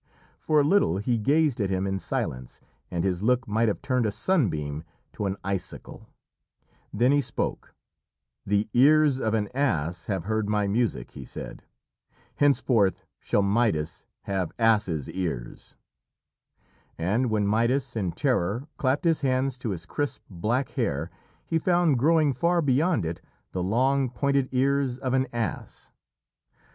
For a little he gazed at him in silence, and his look might have turned a sunbeam to an icicle. Then he spoke: "The ears of an ass have heard my music," he said. "Henceforth shall Midas have ass's ears." And when Midas, in terror, clapped his hands to his crisp black hair, he found growing far beyond it, the long, pointed ears of an ass.